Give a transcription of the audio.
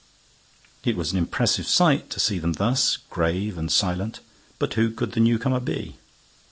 It was an impressive sight to see them thus, grave and silent. But who could the newcomer be?